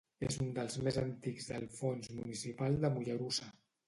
És un dels més antics del fons municipal de Mollerussa.